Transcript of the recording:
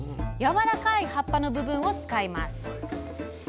やわらかい葉っぱの部分を使います。